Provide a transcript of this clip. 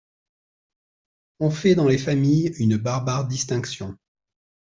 On fait dans les familles une barbare distinction.